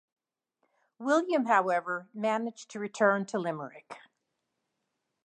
William, however, managed to return to Limerick.